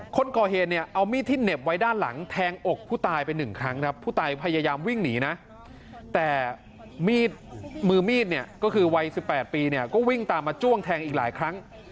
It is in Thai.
คนก่อเหตุเนี่ยเอามีดที่เหน็บไว้ด้านหลังแทงอกผู้ตายไปหนึ่งครั้งครับผู้ตายพยายามวิ่งหนีนะแต่มีดมือมีดเนี่ยก็คือวัย๑๘ปีเนี่ยก็วิ่งตามมาจ้วงแทงอีกหลายครั้ง